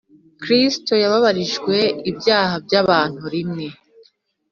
Kristo yababarijwe ibyaha by'abantu rimwe,